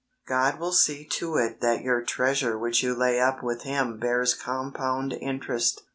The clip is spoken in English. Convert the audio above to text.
God will see to it that your treasure which you lay up with Him bears compound interest.